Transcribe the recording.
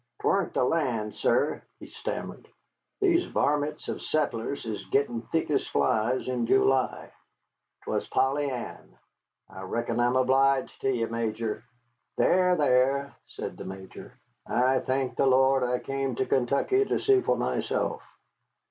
"'Twan't the land, sir," he stammered; "these varmints of settlers is gittin' thick as flies in July. 'Twas Polly Ann. I reckon I'm obleeged to ye, Major." "There, there," said the Major, "I thank the Lord I came to Kentucky to see for myself.